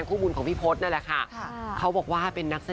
ณคุณคุณนี่แฟนคุณนิก